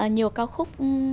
nhiều cao khúc